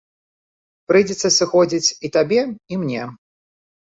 Прыйдзецца сыходзіць і табе, і мне.